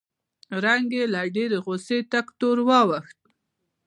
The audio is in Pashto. رنګ یې له ډېرې غوسې تک تور واوښت